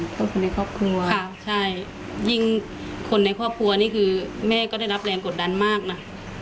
คนในครอบครัวค่ะใช่ยิ่งคนในครอบครัวนี่คือแม่ก็ได้รับแรงกดดันมากนะ